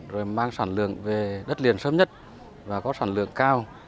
rồi mang sản lượng về đất liền sớm nhất và có sản lượng cao